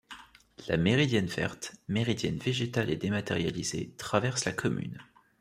La Méridienne verte, méridienne végétale et dématérialisée, traverse la commune.